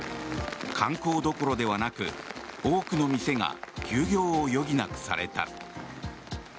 観光どころではなく、多くの店が休業を余儀なくされた。